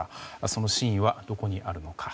その真意はどこにあるのか。